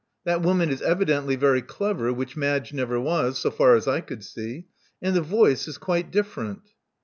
That woman is evidently very clever, which Madge never was, so far as I could see. And the voice is quite different."